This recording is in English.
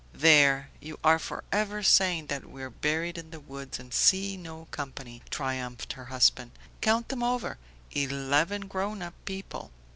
"There! You are forever saying that we are buried in the woods and see no company," triumphed her husband. "Count them over: eleven grown up people!"